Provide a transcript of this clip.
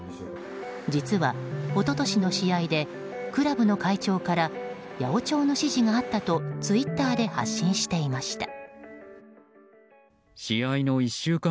実は、一昨年の試合でクラブの会長から八百長の指示があったとツイッターで発信していました。